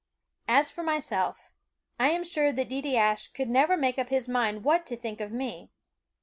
As for myself, I am sure that Deedeeaskh could never make up his mind what to think of me.